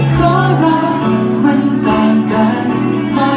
ใช่หรือเปล่า